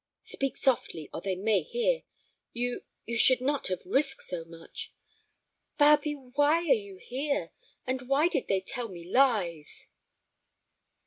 "Speak softly, or they may hear. You—you should not have risked so much." "Barbe, why are you here, and why did they tell me lies?"